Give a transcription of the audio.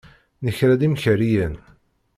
Nekra-d imkariyen.